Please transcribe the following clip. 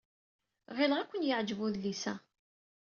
Ɣileɣ ad ken-yeɛjeb udlis-a.